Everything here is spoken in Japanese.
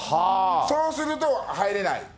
そうすると、入れない。